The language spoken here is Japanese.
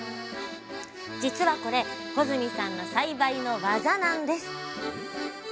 実はこれ穂積さんの栽培の技なんです。